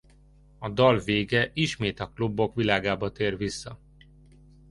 A dal vége ismét a klubok világába tér vissza.